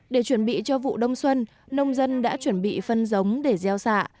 để chuẩn bị cho vụ đông xuân nông dân đã chuẩn bị phân giống để gieo xạ